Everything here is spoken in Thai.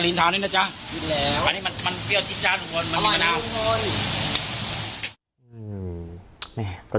หลังจากนั้นหมอปลาค่ะ